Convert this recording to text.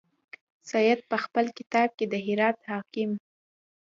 سید په خپل کتاب کې د هرات حاکم.